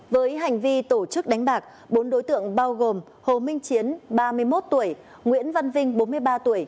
với hành vi tổ chức đánh bạc bốn đối tượng bao gồm hồ minh chiến ba mươi một tuổi nguyễn văn vinh bốn mươi ba tuổi